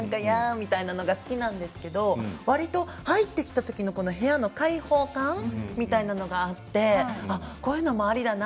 みたいなのが好きなんですけど入ってきたときの部屋の解放感みたいなのがあってこういうのもありだな。